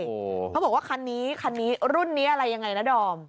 เขาบอกว่าคันนี้คันนี้รุ่นนี้อะไรยังไงนะดอม